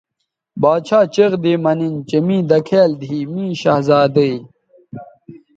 باڇھا چیغ دی مہ نِن می دکھیال دیھی می شہزادئ